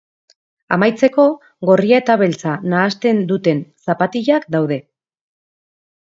Amaitzeko, gorria eta beltza nahasten duten zapatilak daude.